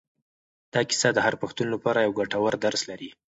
دا کیسه د هر پښتون لپاره یو ګټور درس لري.